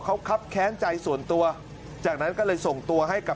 เขาครับแค้นใจส่วนตัวจากนั้นก็เลยส่งตัวให้กับ